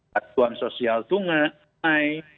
bantuan sosial tungai